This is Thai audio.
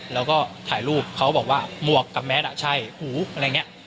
แล้วก็ถ่ายรูปเขาบอกว่าหมวกกับแมสอ่ะใช่หูอะไรอย่างนี้